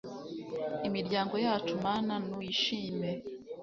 imiryango yacu mana n'uyishime